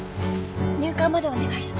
入管までお願いします。